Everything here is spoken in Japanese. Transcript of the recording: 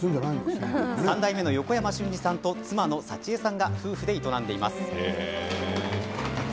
３代目の横山俊二さんと妻の幸恵さんが夫婦で営んでいます。